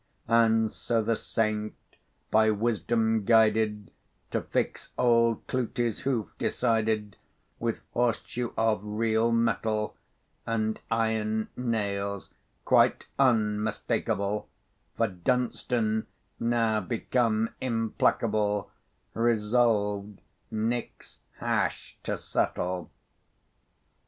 And so the saint, by wisdom guided, To fix old Clootie's hoof decided With horse shoe of real metal, And iron nails quite unmistakable; For Dunstan, now become implacable, Resolved Nick's hash to settle.